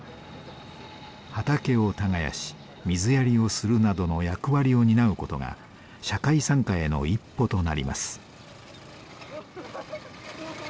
畑を耕し水やりをするなどの役割を担うことが社会参加への一歩となります。